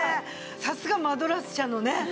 さすがマドラス社のね。